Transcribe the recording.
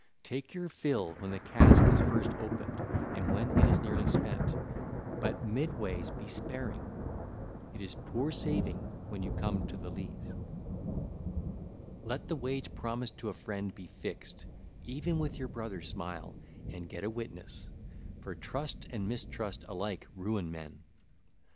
Take your fill when the cask is first opened and when it is nearly spent, but midways be sparing: it is poor saving when you come to the lees. (ll. 370 372) Let the wage promised to a friend be fixed; even with your brother smile—and get a witness; for trust and mistrust, alike ruin men.